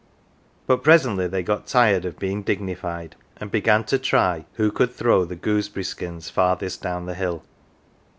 But presently they got tired of being dignified and began to try who could throw the gooseberry skins farthest down the hill.